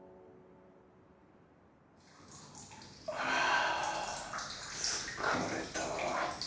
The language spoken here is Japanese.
ああ疲れた。